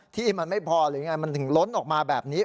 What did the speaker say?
ที่มันไม่พอหรือไงมันถึงล้นออกมาแบบนี้